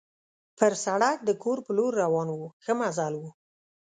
پر سړک د کور په لور روان وو، ښه مزل وو.